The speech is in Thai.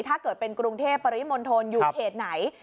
ถ้าเกิดเป็นกรุงเทพปริมณฑลอยู่เขตไหน